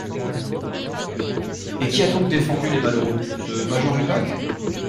Et qui donc a défendu les malheureux, ce major Ulbach?